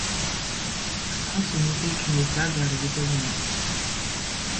Pour certains ce n'était qu'une étape vers les États-Unis.